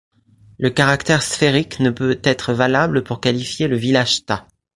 Le caractère sphérique ne peut être valable pour qualifier le village-tas.